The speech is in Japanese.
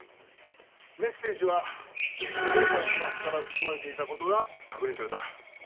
メッセージは被害者のスマホから打ち込まれていたことが確認された。